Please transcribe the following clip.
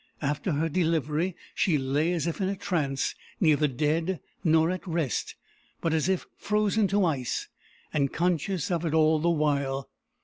After her delivery, she lay as if in a trance, neither dead, nor at rest, but as if frozen to ice, and conscious of it all the while.